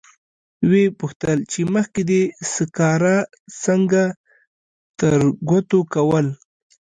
و یې پوښتل چې مخکې دې سکاره څنګه ترګوتو کول.